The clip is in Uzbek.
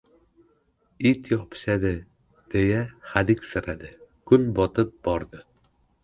It yopishadi, deya hadiksiradi. Kun botib bordi.